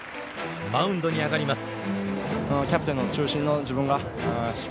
マウンドに上がります。